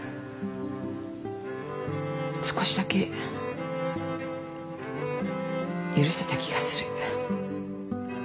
少しだけ許せた気がする。